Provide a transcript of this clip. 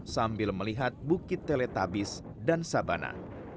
sambil melihat bukit teletabis dan sabana